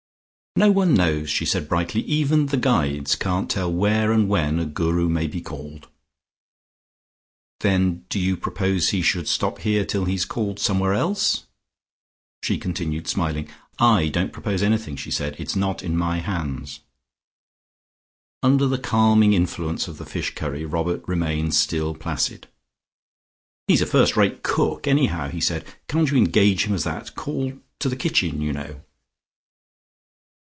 "No one knows," she said brightly. "Even the Guides can't tell where and when a Guru may be called." "Then do you propose he should stop here till he's called somewhere else?" She continued smiling. "I don't propose anything," she said. "It's not in my hands." Under the calming influence of the fish curry, Robert remained still placid. "He's a first rate cook anyhow," he said. "Can't you engage him as that? Call to the kitchen, you know."